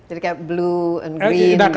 jadi kayak blue and green gitu ya